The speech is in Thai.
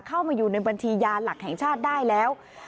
เข้ามาอยู่ในบัญชียาหลักแห่งชาติได้แล้ว